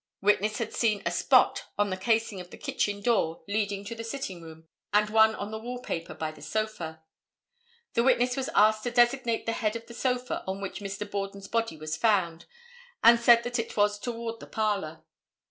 Witness had seen a spot on the casing of the kitchen door leading to the sitting room, and one on the wall paper by the sofa. The witness was asked to designate the head of the sofa on which Mr. Borden's body was found, and said that it was towards the parlor.